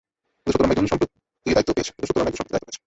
কিন্তু সত্য নামে একজন সম্প্রতি দায়িত্ব পেয়েছে।